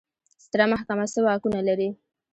ستره محکمه څه واکونه لري؟